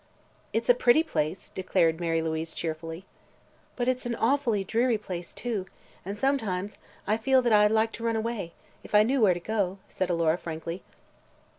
"It's a pretty place," declared Mary Louise cheerfully. "But it's an awfully dreary place, too, and sometimes I feel that I'd like to run away if I knew where to go," said Alora frankly.